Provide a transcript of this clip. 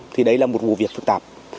thì đấy là một vụ việc phức tạp